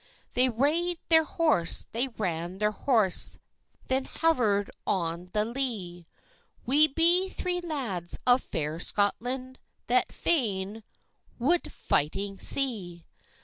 They rade their horse, they ran their horse, Then hover'd on the lee: "We be three lads of fair Scotland, That fain wou'd fighting see."